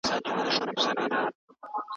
په حوض کې حرکت د عصبي حالت لپاره ښه دی.